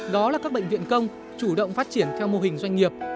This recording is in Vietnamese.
đó là các bệnh viện công chủ động phát triển theo mô hình doanh nghiệp